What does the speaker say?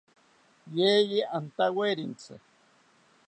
Yeye antawerentzi